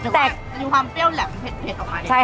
แต่มีความเปรี้ยวแหลมเผ็ดออกมา